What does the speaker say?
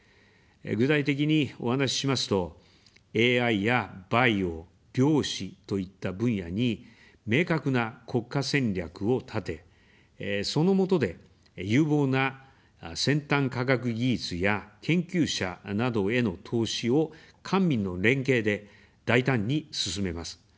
具体的にお話ししますと、ＡＩやバイオ、量子といった分野に明確な国家戦略を立て、そのもとで、有望な先端科学技術や研究者などへの投資を官民の連携で大胆に進めます。